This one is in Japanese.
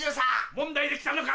問題できたのか？